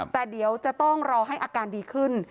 แต่เดี๋ยวจะต้องรอให้อาการดีขึ้น